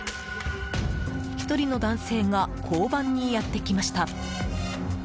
１人の男性が交番にやってきました。